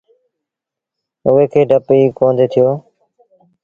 اُئي کي ڊپ ئيٚ ڪوندي ٿيو۔